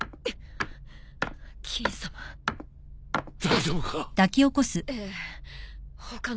大丈夫か？